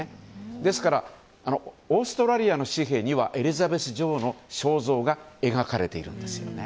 ですからオーストラリアの紙幣にはエリザベス女王の肖像が描かれているんですよね。